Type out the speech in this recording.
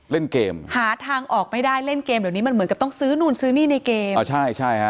เล่นเกมหาทางออกไม่ได้เล่นเกมเดี๋ยวนี้มันเหมือนกับต้องซื้อนู่นซื้อนี่ในเกมอ่าใช่ใช่ฮะ